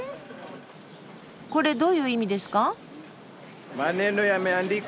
これどういう意味ですか？